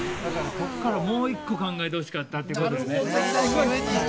◆ここからもう一個考えてほしかったということですね。